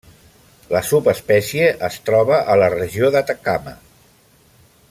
La subespècie es troba a la Regió d'Atacama.